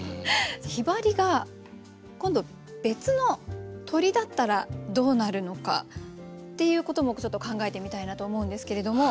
「雲雀」が今度別の鳥だったらどうなるのかっていうこともちょっと考えてみたいなと思うんですけれども。